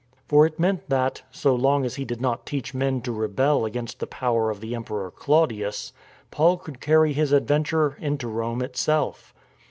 For it meant that, so long as he did not teach men to rebel against the power of the Emperor Claudius, Paul could carry his adventure into Rome itself.